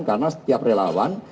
karena setiap relawan